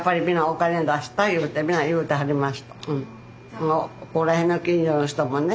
やっぱりここら辺の近所の人もね